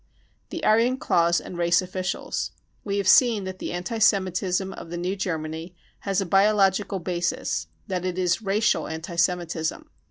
The Aryan Clause and Race Officials. W e have seen that the anti Semitism of the New Germany has a biological basis : that it is racial anti Semitism.